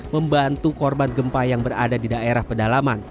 membantu korban gempa yang berada di daerah pedalaman